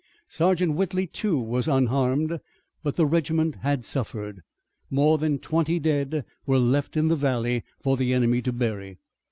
Sergeant Whitley, too, was unharmed, but the regiment had suffered. More than twenty dead were left in the valley for the enemy to bury.